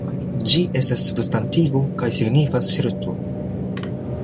Ĝi estas substantivo kaj signifas ŝerco.